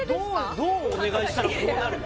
どうお願いしたらこうなるの？